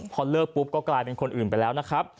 พอเลิกปุ๊บก็กลายเป็นคนอื่นไปแล้วนะครับ